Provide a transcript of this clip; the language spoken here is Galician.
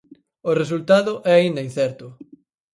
O resultado é aínda incerto.